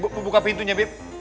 bu buka pintunya bib